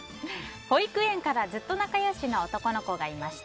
保育園からずっと仲良しの男の子がいました。